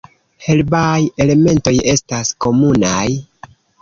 Herbaj elementoj estas komunaj.